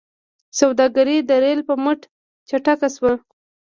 سوداګري د ریل په مټ چټکه شوه.